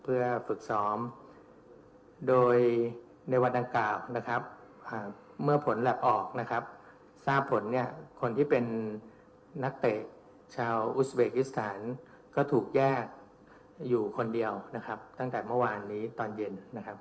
เพื่อฝึกซ้อมโดยในวัดดังกล่าวเมื่อผลแลกออกทราบผลคนที่เป็นนักเตะชาวอุสเบกิสถานก็ถูกแยกอยู่คนเดียวตั้งแต่เมื่อวานนี้ตอนเย็น